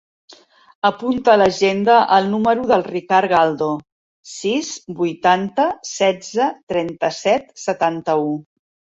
Apunta a l'agenda el número del Ricard Galdo: sis, vuitanta, setze, trenta-set, setanta-u.